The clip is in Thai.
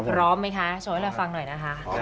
พร้อมไหมคะโชว์ให้เราฟังหน่อยนะคะ